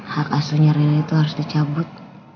hak aslinya rina itu harus dicabut